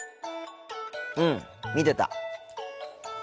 うん見てた。